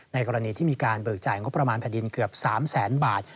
กรณีที่มีการเบิกจ่ายงบประมาณแผ่นดินเกือบ๓แสนบาท